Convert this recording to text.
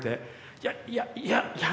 いやいやいやいや